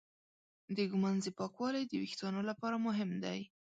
د ږمنځې پاکوالی د وېښتانو لپاره مهم دی.